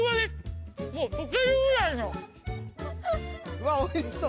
うわっおいしそう！